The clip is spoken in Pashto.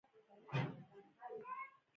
اقتصادي پراختیا باید پر ناتال بدل شي.